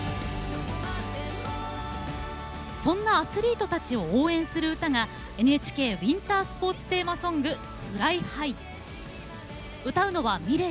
そんなアスリートたちを応援する歌がＮＨＫウインタースポーツテーマソング「ＦｌｙＨｉｇｈ」。